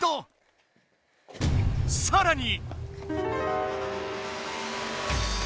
さらに。